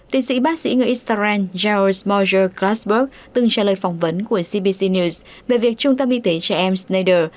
tiến sĩ bác sĩ người israel giles morger glassberg từng trả lời phỏng vấn của cbc news về việc trung tâm y tế trẻ em schneider